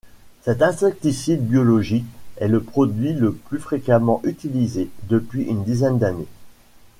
Cet insecticide biologique est le produit le plus fréquemment utilisé depuis une dizaine d’années.